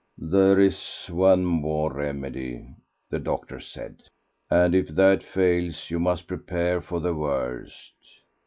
"There is one more remedy," the doctor said, "and if that fails you must prepare for the worst."